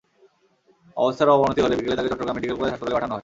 অবস্থার অবনতি হলে বিকেলে তাঁকে চট্টগ্রাম মেডিকেল কলেজ হাসপাতালে পাঠানো হয়।